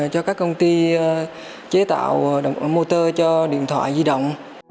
cho các công ty chế tạo motor cho điện thoại di động